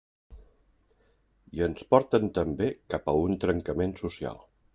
I ens porten també cap a un trencament social.